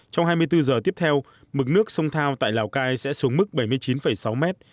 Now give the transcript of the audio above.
trong hai mươi bốn giờ tiếp theo mực nước sông thao tại lào cai sẽ xuống mức bảy mươi chín sáu mét